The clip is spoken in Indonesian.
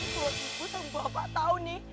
tuhan tuhan bapak tahu nih